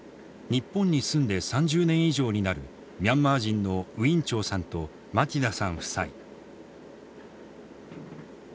日本に住んで３０年以上になるミャンマー人のウィン・チョウさんとマティダさん夫妻。